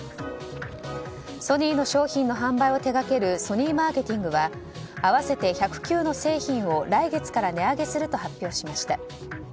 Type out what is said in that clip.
ソニーの商品の販売を手掛けるソニーマーケティングは合わせて１０９の製品を来月から値上げすると発表しました。